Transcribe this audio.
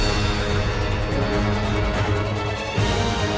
tidak ada yang bisa dihukum